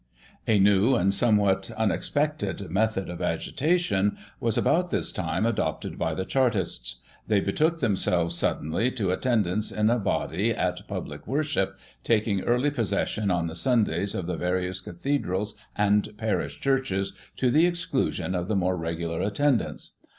A new, and somewhat unexpected method of agitation, was, about this time, adopted by the Chartists. They betook themselves, suddenly, to attendance in a body at public wor ship, taking early possession on the Sundays of the various cathedrals and parish churches, to the exclusion of the more regular attendants.